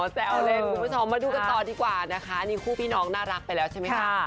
แจ้วเล่นมาดูกันต่อดีกว่านี่คู่พี่น้องน่ารักไปแล้วใช่มั้ยค่ะ